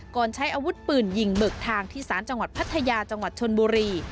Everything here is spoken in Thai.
ใช้อาวุธปืนยิงเบิกทางที่สารจังหวัดพัทยาจังหวัดชนบุรี